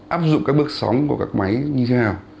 áp dụng các bước sóng của các máy như thế nào